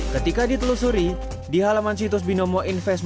ketika ditelusuri di halaman situs binomoinvestment com